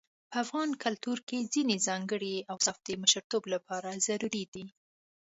په افغان کلتور کې ځينې ځانګړي اوصاف د مشرتوب لپاره ضروري دي.